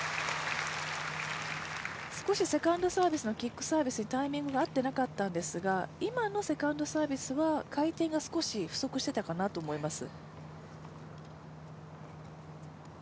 少しセカンドサービスのキックサービスにタイミングが合っていなかったんですが今のセカンドサービスは回転が少し不足していたかなと思います。